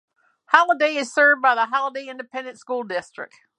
Holliday is served by the Holliday Independent School District.